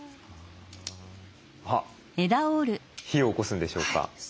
あっ火をおこすんでしょうか？